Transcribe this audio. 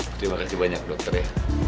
terima kasih banyak dokter ya